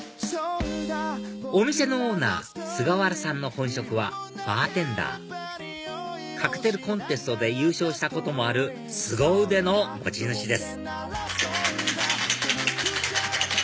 お店のオーナー菅原さんの本職はバーテンダーカクテルコンテストで優勝したこともあるすご腕の持ち主です